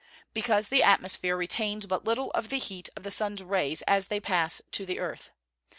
_ Because the atmosphere retains but little of the heat of the sun's rays as they pass to the earth.